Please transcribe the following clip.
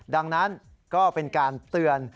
ดังนั้นก็เป็นการเตือน